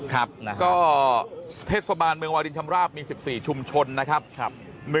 ครับก็เทศบาลเมืองวาลินชำราบมี๑๔ชุมชนนะครับ